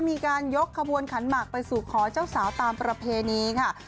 มีการยกขบวนขันหมากไปสู่ขอเจ้าสาวตามประเพณีค่ะ